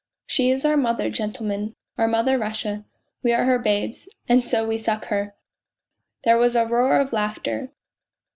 She is our Mother, gentlemen, our Mother Russia; we are her babes, and so we suck her !" There was a roar of laughter.